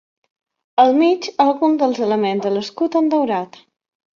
Al mig alguns dels elements de l'escut en daurat.